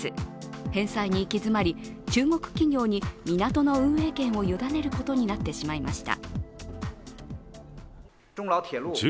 返済に行き詰まり、中国企業に港の運営権を委ねることになってしまいました。